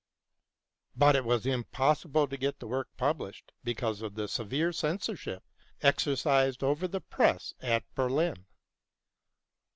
But it was im possible to get the work published because of the severe censorship exercised over the press at BROWNING AND LESSING 231 Berlin.